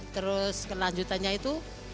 terus kelanjutannya itu